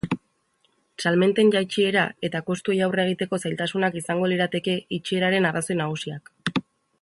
Salmenten jaitsiera eta kostuei aurre egiteko zailtasunak izango lirateke itxieraren arrazoi nagusiak.